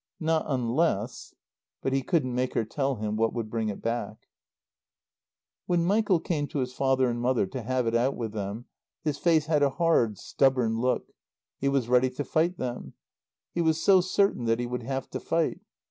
"Not unless " But he couldn't make her tell him what would bring it back. When Michael came to his father and mother to have it out with them his face had a hard, stubborn look. He was ready to fight them. He was so certain that he would have to fight.